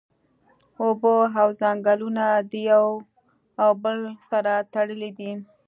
اوبه او ځنګلونه د یو او بل سره تړلی دی